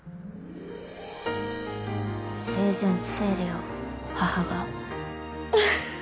生前整理を母が？